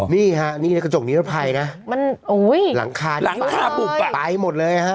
นี่ค่ะนี่ในกระจกนี้รถไฟนะมันอุ้ยหลังคาหลังคาปุกปะไปหมดเลยฮะ